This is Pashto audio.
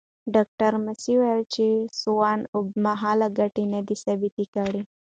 ډاکټره ماسي وویل چې سونا اوږدمهاله ګټې ندي ثابته کړې.